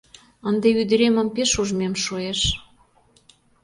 Ынде ӱдыремым пеш ужмем шуэш...